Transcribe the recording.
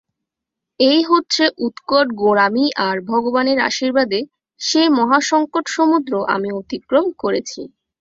এই হচ্ছে উৎকট গোঁড়ামি আর ভগবানের আশীর্বাদে সে মহাসঙ্কট-সমুদ্র আমি অতিক্রম করেছি।